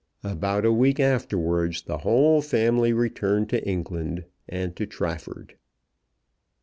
About a week afterwards the whole family returned to England and to Trafford.